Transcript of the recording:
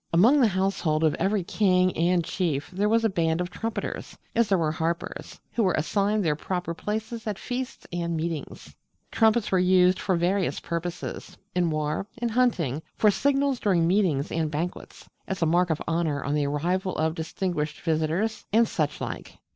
Among the household of every king and chief there was a band of trumpeters as there were harpers who were assigned their proper places at feasts and meetings. Trumpets were used for various purposes: in war; in hunting; for signals during meetings and banquets; as a mark of honour on the arrival of distinguished visitors; and such like.